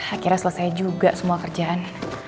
akhirnya selesai juga semua kerjaannya